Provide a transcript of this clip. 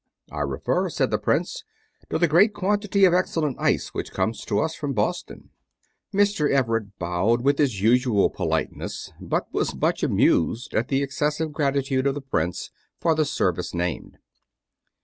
"I refer," said the prince, "to the great quantity of excellent ice which comes to us from Boston." Mr. Everett bowed with his usual politeness, but was much amused at the excessive gratitude of the prince for the service named.